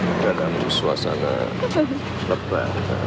memang terkadang suasana lebar